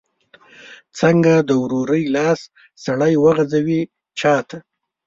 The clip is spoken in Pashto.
څنګه د ورورۍ لاس سړی وغځوي چاته؟